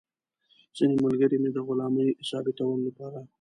ځینې ملګري مې د غلامۍ ثابتولو لپاره.